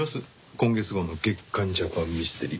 今月号の月刊『ジャパン・ミステリー』。